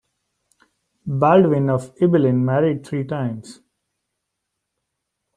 Baldwin of Ibelin married three times.